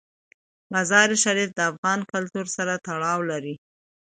مزارشریف د افغان کلتور سره تړاو لري.